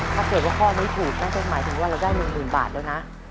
ถ้าเกิดว่าข้อนี้ถูกนั่นก็หมายถึงว่าเราได้๑๐๐๐บาทแล้วนะ